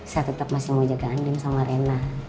saya tetap masih mau jaga andin sama rena